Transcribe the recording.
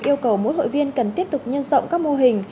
yêu cầu mỗi hội viên cần tiếp tục nhân rộng các mô hình